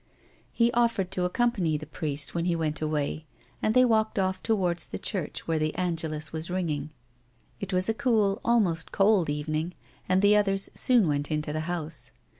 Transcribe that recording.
He offered to accompany the priest when he went away, and they walked off towards the church where the angelus was ringing. It was a cool, almost cold, evening, and the others soon went into the house.